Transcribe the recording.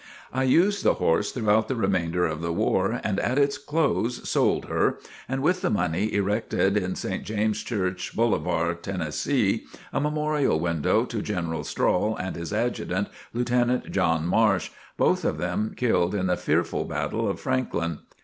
I used the horse through the remainder of the war and at its close sold her, and with the money erected in St. James' Church, Bolivar, Tennessee, a memorial window to General Strahl and his Adjutant, Lieutenant John Marsh, both of them killed in the fearful battle of Franklin.